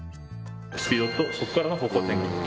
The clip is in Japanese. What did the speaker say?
スピードとそこからの方向転換。